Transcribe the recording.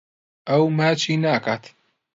ئەو ماچی ناکات.